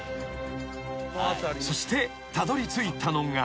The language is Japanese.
［そしてたどりついたのが］